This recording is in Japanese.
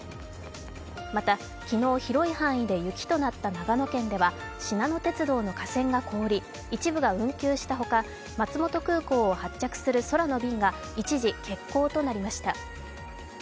また、昨日広い範囲で雪となった長野県ではしなの鉄道の架線が凍り、一部が運休した他松本空港を発着する空の便が一時欠航となりました。